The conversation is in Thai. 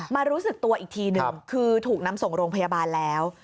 รู้สึกตัวอีกทีหนึ่งคือถูกนำส่งโรงพยาบาลแล้ว